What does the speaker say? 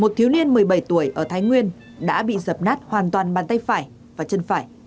một thiếu niên một mươi bảy tuổi ở thái nguyên đã bị dập nát hoàn toàn bàn tay phải và chân phải